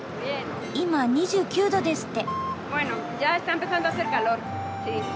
今２９℃ですって。